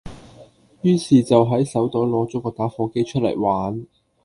於是就喺手袋攞咗個打火機出嚟玩